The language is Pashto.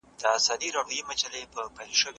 زه مخکي سپينکۍ مينځلي وو؟